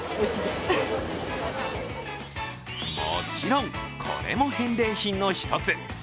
もちろん、これも返礼品の１つ。